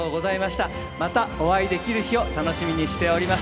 またお会いできる日を楽しみにしております。